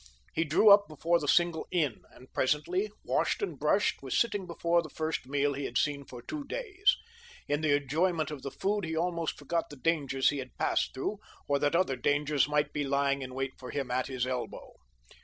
He drew up before the single inn, and presently, washed and brushed, was sitting before the first meal he had seen for two days. In the enjoyment of the food he almost forgot the dangers he had passed through, or that other dangers might be lying in wait for him at his elbow.